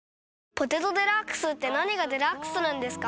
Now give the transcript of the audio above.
「ポテトデラックス」って何がデラックスなんですか？